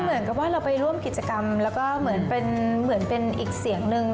มันเหมือนกับว่าเราไปร่วมกิจกรรมแล้วก็เหมือนเป็นอีกเสียงนึง